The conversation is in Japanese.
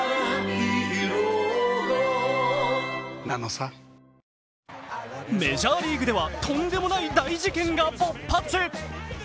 「さわやかパッド」メジャーリーグではとんでもない大事件が勃発。